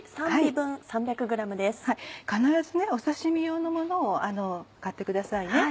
必ず刺し身用のものを買ってくださいね。